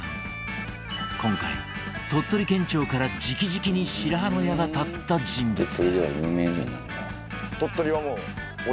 今回鳥取県庁から直々に白羽の矢が立った人物